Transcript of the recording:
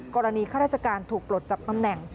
ข้าราชการถูกปลดจับตำแหน่ง